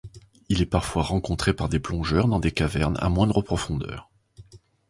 Il est parfois rencontré par les plongeurs dans des cavernes à moindre profondeur.